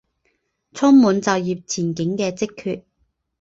充满就业前景的职缺